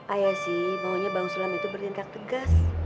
ayah sih maunya bang sulam itu bertindak tegas